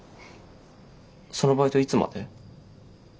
そのバイトいつまで？